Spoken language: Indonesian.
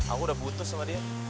aku udah butuh sama dia